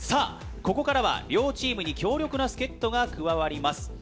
ここからは両チームに強力な助っ人が加わります。